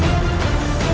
tidak ada yang bisa diberi